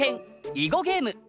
囲碁ゲーム。